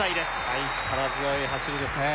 はい力強い走りですね